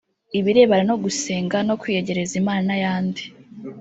ibirebana no gusenga no kwiyegereza Imana n’ayandi